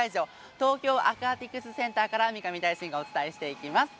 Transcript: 東京アクアティクスセンターから三上大進がお伝えしていきます。